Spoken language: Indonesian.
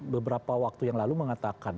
beberapa waktu yang lalu mengatakan